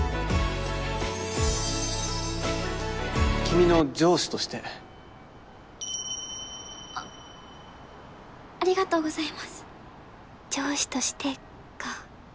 君の上司としてあありがとうございます上司としてか